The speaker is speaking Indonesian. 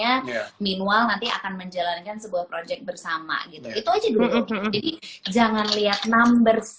ya minual nanti akan menjalankan sebuah proyek bersama gitu itu aja dulu jadi jangan lihat numbers